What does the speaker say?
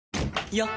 よっ！